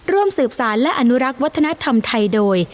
ร่วมสืบสารและอนุรักษ์วัฒนธรรมไทยโดย